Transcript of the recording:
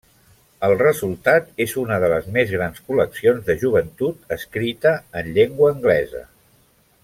El resultat és una de les més grans col·leccions de joventut escrita en llengua anglesa.